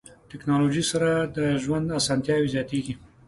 ټکنالوژي سره د ژوند اسانتیاوې زیاتیږي.